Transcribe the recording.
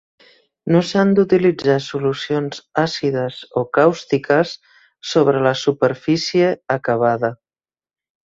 No s'han d'utilitzar solucions àcides o càustiques sobre la superfície acabada.